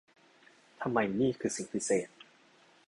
ทำไมนี่คือสิ่งพิเศษ!